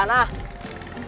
nih banyak banget